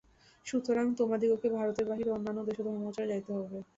সুতরাং তোমাদিগকে ভারতের বাহিরে অন্যান্য দেশেও ধর্মপ্রচারে যাইতে হইবে।